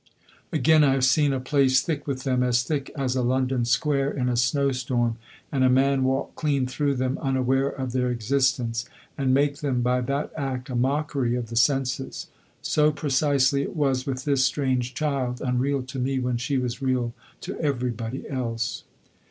Again I have seen a place thick with them, as thick as a London square in a snow storm, and a man walk clean through them unaware of their existence, and make them, by that act, a mockery of the senses. So precisely it was with this strange child, unreal to me when she was real to everybody else.